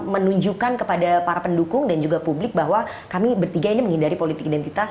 menunjukkan kepada para pendukung dan juga publik bahwa kami bertiga ini menghindari politik identitas